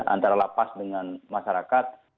antara lapas dengan masyarakat